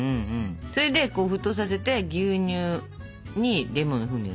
それでこう沸騰させて牛乳にレモンの風味をつけるのね。